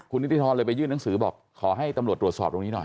คุณนิติธรเลยไปยื่นหนังสือบอกขอให้ตำรวจตรวจสอบตรงนี้หน่อย